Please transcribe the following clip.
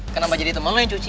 kenapa jadi temen lo yang cuci